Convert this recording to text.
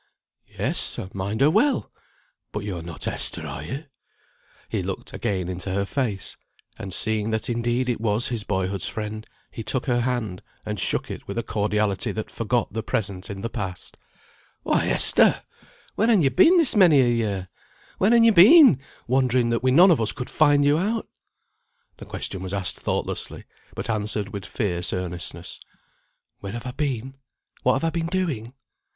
"Yes, I mind her well! But yo are not Esther, are you?" He looked again into her face, and seeing that indeed it was his boyhood's friend, he took her hand, and shook it with a cordiality that forgot the present in the past. "Why, Esther! Where han ye been this many a year? Where han ye been wandering that we none of us could find you out?" The question was asked thoughtlessly, but answered with fierce earnestness. "Where have I been? What have I been doing?